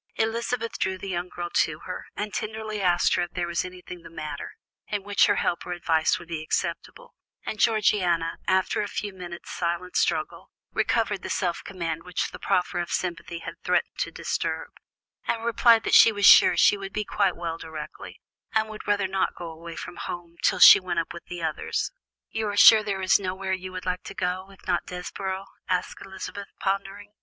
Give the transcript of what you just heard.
Elizabeth drew the young girl to her, and tenderly asked if there was anything the matter, in which her help or advice would be acceptable, and Georgiana, after a few moments' silent struggle, recovered the self command which the proffer of sympathy had threatened to disturb, and replied that she was sure she would be quite well directly, and would rather not go away from home until she went with the others. "You are sure there is nowhere you would like to go, if not Desborough?" asked Elizabeth, pondering.